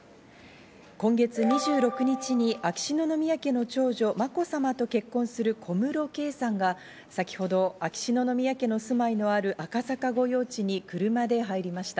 今月２６日に秋篠宮家の長女・まこさまと結婚する小室圭さんが先ほど秋篠宮家の住まいのある赤坂御用地に車で入りました。